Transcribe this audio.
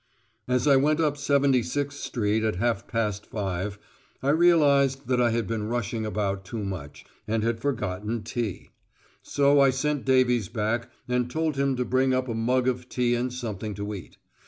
As I went up 76 Street at half past five, I realised that I had been rushing about too much, and had forgotten tea. So I sent Davies back and told him to bring up a mug of tea and something to eat.